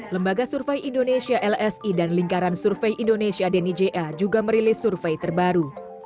lembaga survei indonesia lsi dan lingkaran survei indonesia denny ja juga merilis survei terbaru